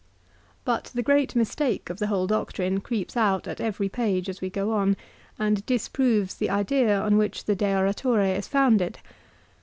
317 But the great mistake of the whole doctrine creeps out at every page as we go on, and disproves the idea on which the " De Oratore " is founded.